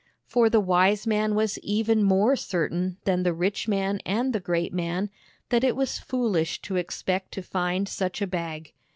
For the wise man was even more certain than the rich man and the great man, that it was foolish to expect to find such a Bag.